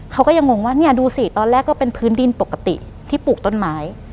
เขาก็ยังงงว่าเนี่ยดูสิตอนแรกก็เป็นพื้นดินปกติที่ปลูกต้นไม้